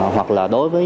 hoặc là đối với